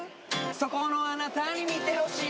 そこのあなたに見てほしい。